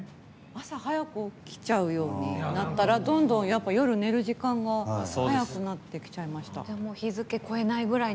朝早く起きちゃうようになったらどんどん夜、寝る時間が早くなってきちゃいました。